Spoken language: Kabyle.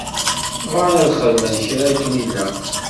Bɣan ad xedmen kra akken ilaq.